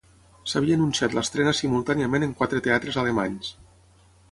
S'havia anunciat l'estrena simultàniament en quatre teatres alemanys: